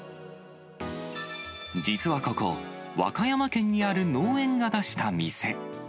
実はここ、和歌山県にある農園が出した店。